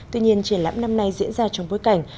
tuy nhiên triển lãm năm nay diễn ra trong bối cảnh